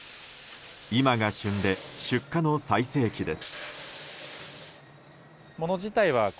今が旬で出荷の最盛期です。